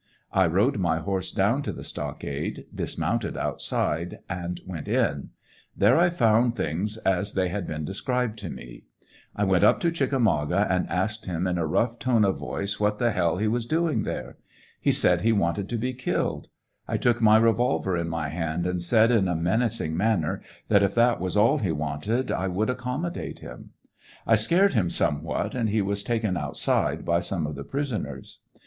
I rode my horse down to the stockade, dismounted outside, and went in. There I found things as they had been described to me. I went up to " Chickamauga" and asked him, in a rough tone of voice, what the hell he was doing there. He said he wanted to be killed. I took my revolver in my hand and said, in a menacing manner, that if that was all he wanted I would accommodate him. I scared him somewhat, and he was taken outside by some of the prisoners.